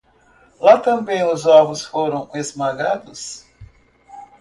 Lá também os ovos foram esmagados.